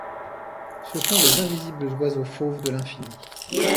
Ce sont les invisibles oiseaux fauves de l’infini.